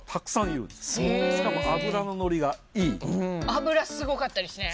脂すごかったですね。